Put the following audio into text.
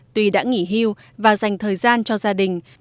tuy đã nghỉ hưu và dành thời gian cho gia đình